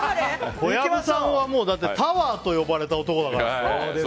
小籔さんはタワーと呼ばれた男だから。